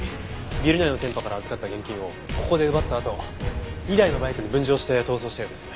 ビル内の店舗から預かった現金をここで奪ったあと２台のバイクに分乗して逃走したようです。